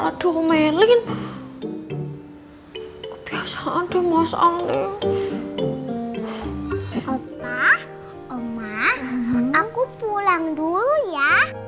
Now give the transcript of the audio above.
aku pulang dulu ya